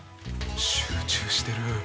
集中してる。